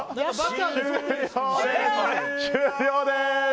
終了です！